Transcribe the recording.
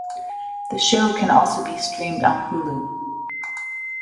The show can also be streamed on Hulu.